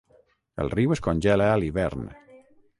El riu es congela a l'hivern.